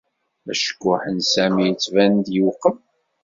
Acekkuḥ n Sami yettban-d yeqwem.